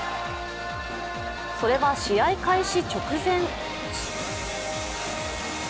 それは試合開始直前。